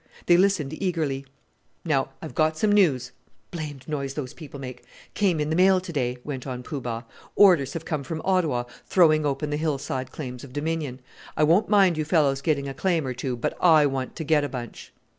They listened eagerly. "Now, I've got some news blamed noise those people make! came in the mail to day," went on Poo Bah. "Orders have come from Ottawa throwing open the hillside claims of Dominion. I won't mind you fellows getting a claim or two; but I want to get a bunch."